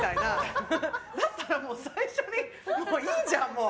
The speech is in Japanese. だったらもう、最初にいいじゃん、もう。